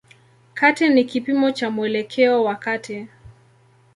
Kati ni kipimo cha mwelekeo wa kati.